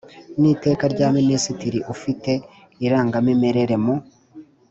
n Iteka rya Minisitiri ufite irangamimerere mu